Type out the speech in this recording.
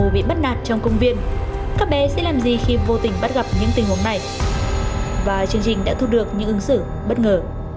và chương trình đã thu được những ứng xử bất ngờ